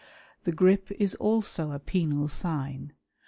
The grip is also a penal sign.